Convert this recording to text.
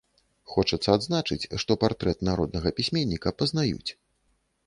Хочацца адзначыць, што партрэт народнага пісьменніка пазнаюць.